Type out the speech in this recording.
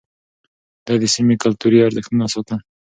ده د سيمې کلتوري ارزښتونه ساتل.